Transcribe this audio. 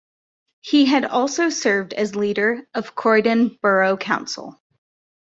He had also served as Leader of Croydon Borough Council.